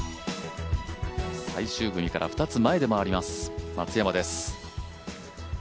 最終組から２つ前で回ります松山です。